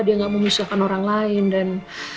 dia nggak memisahkan orang lain dan